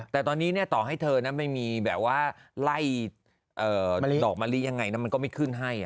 แต่ตอนนี้ต่อให้เธอไม่มีแบบว่าไล่ดอกมะลิยังไงนะมันก็ไม่ขึ้นให้